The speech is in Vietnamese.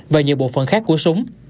và nhiều bộ phận khác của súng